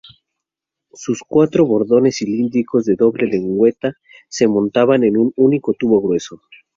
Sus cuatro bordones cilíndricos de doble lengüeta se montaban en un único tubo grueso.